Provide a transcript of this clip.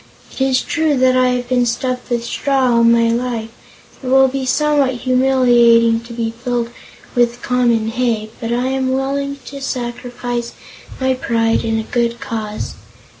It is true I have been stuffed with straw all my life and it will be somewhat humiliating to be filled with common hay, but I am willing to sacrifice my pride in a good cause.